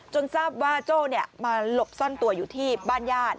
ทราบว่าโจ้มาหลบซ่อนตัวอยู่ที่บ้านญาติ